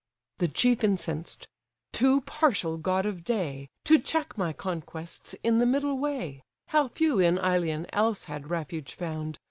The chief incensed—"Too partial god of day! To check my conquests in the middle way: How few in Ilion else had refuge found!